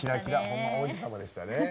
ほんまに王子様でしたね。